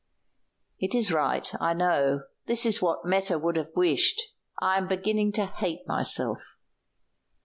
"It is right, I know. This is what Meta would have wished. I am beginning to hate myself."